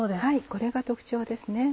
これが特徴ですね。